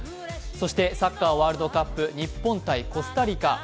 そして、サッカー・ワールドカップ、日本×コスタリカ。